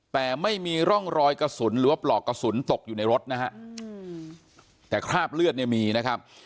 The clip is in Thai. แต่ไม่มีร่องรอยกระสุนหรือว่าปลอกกระสุนตกอยู่ในรถนะฮะแต่คราบเลือดเนี่ยมีนะครับ